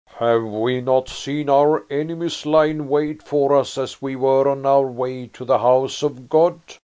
"Have we not seen our enemies lie in wait for us as we were on our way to the house of God?